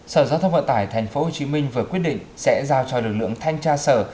sở giao thông vận tải tp hcm vừa quyết định sẽ giao cho lực lượng thanh tra sở